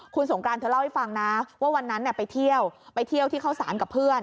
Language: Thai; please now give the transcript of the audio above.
คุณสงกรานเธอเล่าให้ฟังนะว่าวันนั้นไปเที่ยวไปเที่ยวที่เข้าสารกับเพื่อน